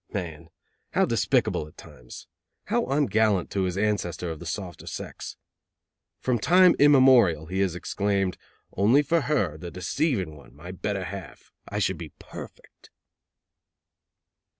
Man! How despicable at times! How ungallant to his ancestor of the softer sex! From time immemorial he has exclaimed: "Only for her, the deceiving one, my better half, I should be perfect."